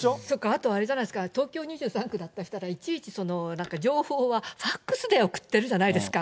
あとあれじゃないですか、東京２３区だったら、いちいちなんか情報はファックスで送ってるじゃないですか。